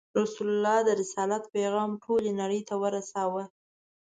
رسول الله د رسالت پیغام ټولې نړۍ ته ورساوه.